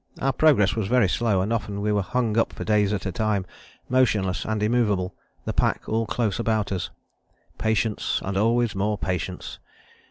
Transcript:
Our progress was very slow, and often we were hung up for days at a time, motionless and immovable, the pack all close about us. Patience and always more patience!